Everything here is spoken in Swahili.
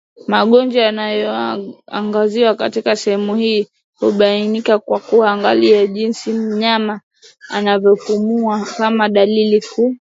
Magonjwa yanayoangaziwa katika sehemu hii hubainika kwa kuangalia jinsi mnyama anavyopumua kama dalili kuu